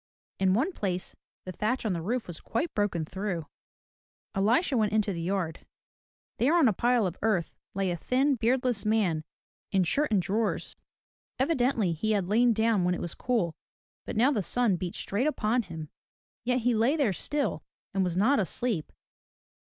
In one place the thatch on the roof was quite broken through. Elisha went into the yard. There on a pile of earth, lay a thin, beardless man in shirt and drawers. Evidently he had lain down when it was cool, but now the sun beat straight upon him. Yet he lay there still, and was not asleep.